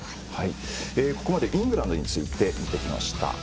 ここまで、イングランドについて見てきました。